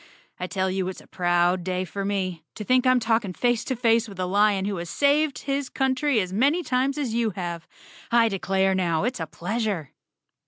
I tell you it's a proud day for me. To think I'm talking face to face with a lion who has saved his country as many times as you have. I declare now, it's a pleasure."